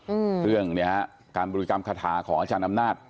อืมเรื่องเนี้ยฮะการบริกรรมคาถาของอาจารย์อำนาจ